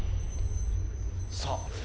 さあ